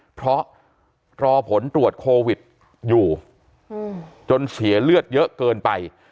เพราะรอผลตรวจโควิดอยู่จนเสียเลือดเยอะเกินไป